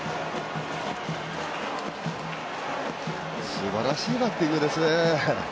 すばらしいバッティングですね。